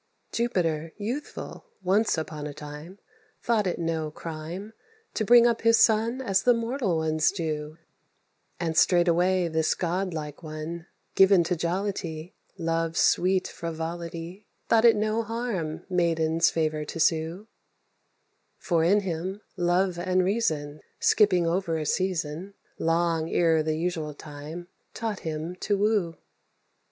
Jupiter youthful, once on a time, Thought it no crime To bring up his son as the mortal ones do; And straightway this godlike one, given to jollity, Love's sweet frivolity, Thought it no harm maiden's favour to sue, For in him love and reason, Skipping over a season, Long ere the usual time, taught him to woo.